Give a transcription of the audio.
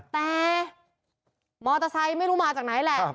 แต่มอเตอร์ไซค์ไม่รู้มาจากไหนแหละ